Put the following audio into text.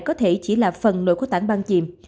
có thể chỉ là phần nội của tảng băng chìm